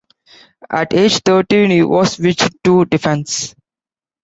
At age thirteen, he was switched to defence.